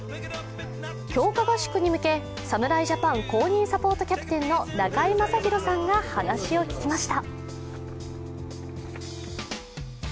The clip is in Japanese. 強化合宿に向け、侍ジャパン公認サポートキャプテンの中居正広さんが話を聞きました。